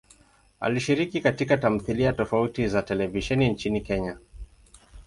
Alishiriki katika tamthilia tofauti za televisheni nchini Kenya.